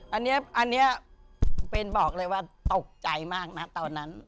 อันเนี้ยอันเนี้ยเบนบอกเลยว่าตกใจมากนะตอนนั้น